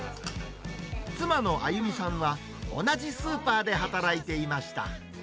妻のあゆみさんは、同じスーパーで働いていました。